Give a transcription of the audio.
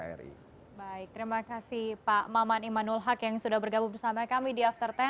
baik terima kasih pak maman imanul haq yang sudah bergabung bersama kami di after sepuluh